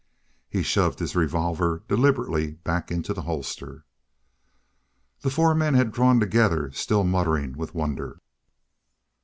He shoved his revolver deliberately back into the holster. The four men had drawn together, still muttering with wonder.